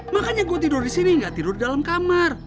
makanya gua tidur disini ga tidur di dalam kamar